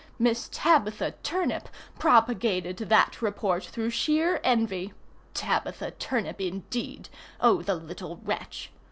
Miss Tabitha Turnip propagated that report through sheer envy. Tabitha Turnip indeed! Oh the little wretch!